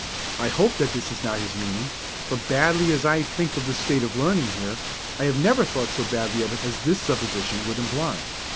I hope that this is not his meaning; for badly as I think of the state of learning here, I have never thought so badly of it as this supposition would imply.